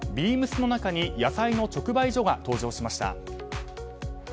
ＢＥＡＭＳの中に野菜の直売所が登場しました。